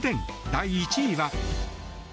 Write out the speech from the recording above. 第１位は。